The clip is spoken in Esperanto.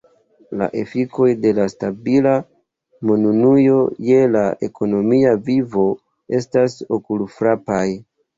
La efikoj de stabila monunuo je la ekonomia vivo estas okulfrapaj.